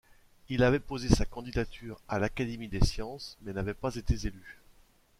Il avait posé sa candidature à l'Académie des sciences mais n'avait pas été élu.